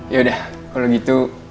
yaudah kalo gitu